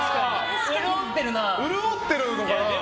潤ってるのかな？